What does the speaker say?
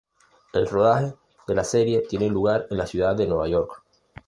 El rodaje de la serie tiene lugar en la ciudad de Nueva York.